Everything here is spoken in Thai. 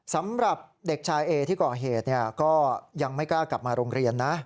สำหรับเด็กชายเอที่ก่อเหตุก็ยังไม่กล้ากลับมาโรงเรียนนะ